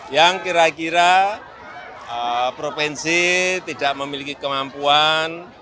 yang kira kira provinsi tidak memiliki kemampuan